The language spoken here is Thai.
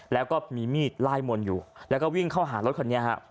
แล้วก็มีมีดไล่มนต์อยู่แล้วก็วิ่งเข้าหารถคันนี้ฮะ